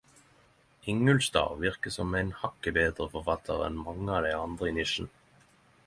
Ingulstad virkar som ein hakket betre forfattar enn mange av dei andre i nisjen.